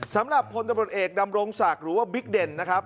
สำหรับพลตำรวจเอกดำรงศักดิ์หรือว่าบิ๊กเด่นนะครับ